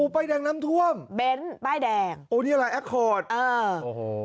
ป้ายแดงน้ำท่วมเบ้นป้ายแดงโอ้นี่อะไรแอคคอร์ดเออโอ้โห